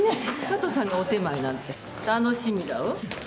佐都さんがお点前なんて楽しみだわ。